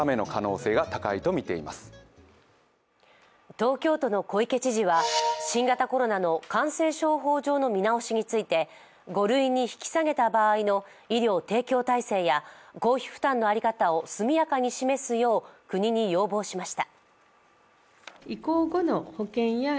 東京都の小池知事は新型コロナの感染症法上の見直しについて５類に引き下げた場合の医療提供体制や公費負担の在り方を速やかに示すよう国に要望しました。